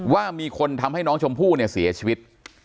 ว่ามีคนทำให้น้องชมพู่เนี่ยเสียชีวิต